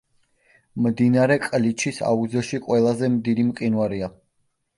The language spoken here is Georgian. მდინარე ყლიჩის აუზში ყველაზე დიდი მყინვარია.